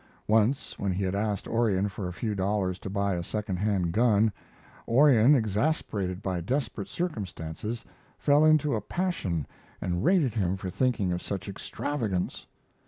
Once when he had asked Orion for a few dollars to buy a second hand gun, Orion, exasperated by desperate circumstances, fell into a passion and rated him for thinking of such extravagance.